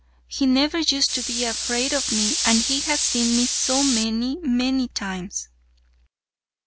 He never used to be afraid of me; and he has seen me so many, many times."